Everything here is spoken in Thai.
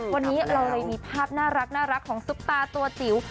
วันนี้เราเลยมีภาพน่ารักของซุปตาตัวจิ๋ว